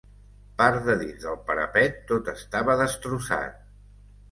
Part dedins del parapet tot estava destrossat